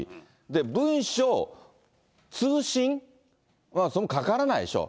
文書通信はそんなかからないでしょう。